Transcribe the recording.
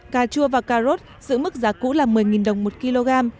cà chua và cà rốt giữ mức giá cũ là một mươi đồng một kg